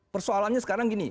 persoalannya sekarang gini